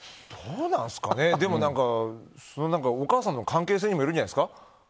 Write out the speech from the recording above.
でも、お母さんとの関係性にもよるんじゃないですか。